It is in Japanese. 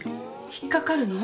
引っかかるの？